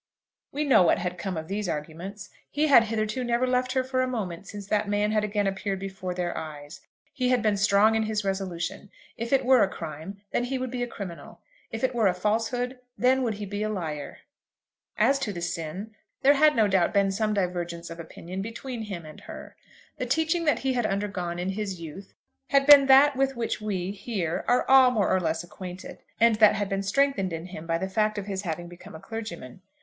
We know what had come of these arguments. He had hitherto never left her for a moment since that man had again appeared before their eyes. He had been strong in his resolution. If it were a crime, then he would be a criminal. If it were a falsehood, then would he be a liar. As to the sin, there had no doubt been some divergence of opinion between him and her. The teaching that he had undergone in his youth had been that with which we, here, are all more or less acquainted, and that had been strengthened in him by the fact of his having become a clergyman.